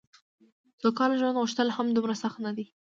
سوکاله ژوند غوښتل هم دومره سخت نه دي.